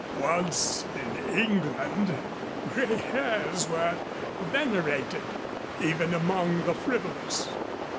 "Once in England gray hairs were venerated, even among the frivolous.